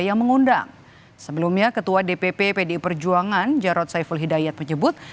yang mengundang sebelumnya ketua dpp pdi perjuangan jarod saiful hidayat menyebut